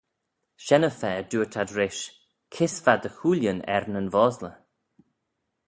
Shen y fa dooyrt ad rish, Kys va dty hooillyn er nyn vosley?